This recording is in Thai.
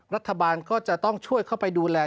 รัฐบาลก็จะต้องช่วยเข้าไปดูแล